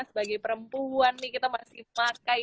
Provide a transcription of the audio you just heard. sebagai perempuan nih kita masih pakai